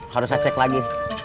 harus saya cek lagi